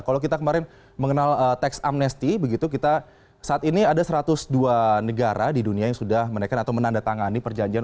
kalau kita kemarin mengenal teks amnesti saat ini ada satu ratus dua negara di dunia yang sudah menandatangani perjanjian